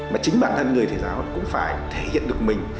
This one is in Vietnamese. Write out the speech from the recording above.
mà chính bản thân người thầy giáo cũng phải thể hiện được mình